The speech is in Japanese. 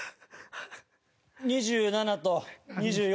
２７２４。